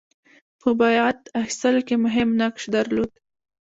په بیعت اخیستلو کې مهم نقش درلود.